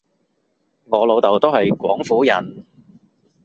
我老豆都係廣府人